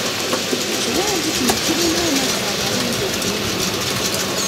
Ekiwonvu kino kirimu amazzi amalungi okuwa ente.